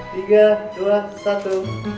tiga dua satu